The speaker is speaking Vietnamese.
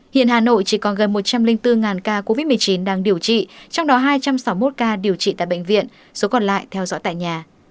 hiện hà nội chỉ còn gần một trăm linh bốn ca covid một mươi chín đang điều trị trong đó hai trăm sáu mươi một ca điều trị tại bệnh viện số còn lại theo dõi tại nhà